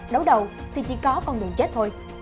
đấu đầu thì chỉ có con đường chết thôi